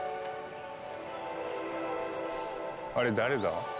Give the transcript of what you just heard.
あれ誰だ？